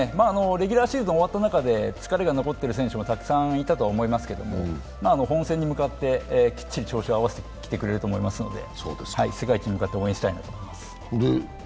レギュラーシーズンが終わった中で疲れが残っている選手はたくさんいたと思いますけれども本戦に向かってきっちり調子を合わせてきてくれると思いますので世界一に向かって応援したいなと思っています。